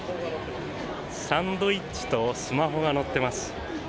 サンドイッチとスマホが乗っています。